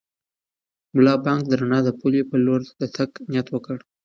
ملا بانګ د رڼا د پولې په لور د تګ نیت وکړ.